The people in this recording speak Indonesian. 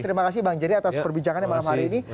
terima kasih bang jerry atas perbincangannya malam hari ini